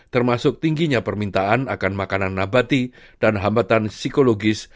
termasuk tingginya permintaan akan makanan nabati dan hambatan psikologis